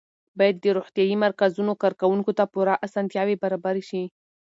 باید د روغتیایي مرکزونو کارکوونکو ته پوره اسانتیاوې برابرې شي.